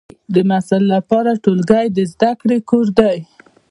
د محصل لپاره ټولګی د زده کړې کور دی.